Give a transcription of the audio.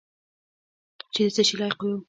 چې د څه شي لایق یو .